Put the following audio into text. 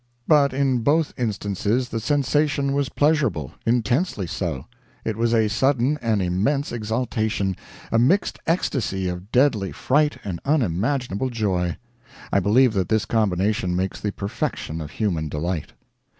But in both instances the sensation was pleasurable intensely so; it was a sudden and immense exaltation, a mixed ecstasy of deadly fright and unimaginable joy. I believe that this combination makes the perfection of human delight.